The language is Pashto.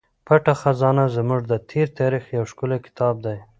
پټه خزانه زموږ د تېر تاریخ یو ښکلی کتاب دی.